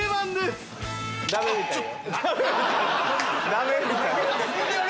ダメみたい。